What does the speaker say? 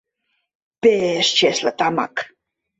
Пеш чесле тамак.